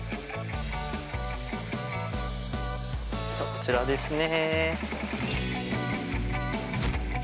こちらですね。